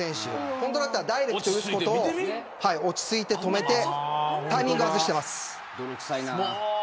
本当だったらダイレクトに打つところを落ち着いて止めてタイミングを外しています。